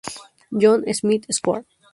John, Smith Square.